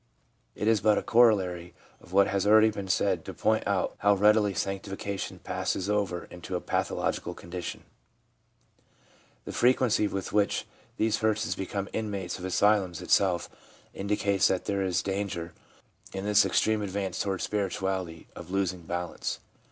It is but a corollary of what has already been said to point out how readily sanctification passes over into a pathological condition. The frequency with which these persons become inmates of asylums itself indicates SANCTIFICATION 389 that there is danger, in this extreme advance toward spirituality, of losing balance.